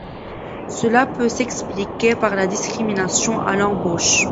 Cela peut s'expliquer par la discrimination à l'embauche.